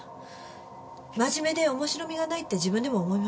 真面目で面白みがないって自分でも思います。